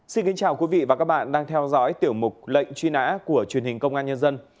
xin kính chào quý vị và các bạn đang theo dõi tiểu mục lệnh truy nã của truyền hình công an nhân dân